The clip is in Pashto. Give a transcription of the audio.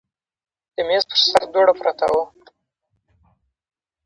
دریمه برخه ټولنیز او بشري مضامین دي.